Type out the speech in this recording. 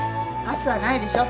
パスはないでしょ。